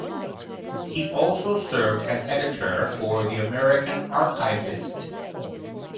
He also served as editor of "The American Archivist".